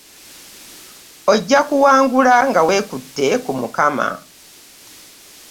Ojjakuwangula nga weekutte ku Mukama.